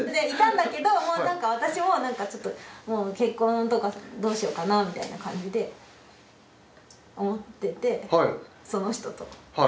いたんだけどなんか私も結婚とかどうしようかなみたいな感じで思っててその人と。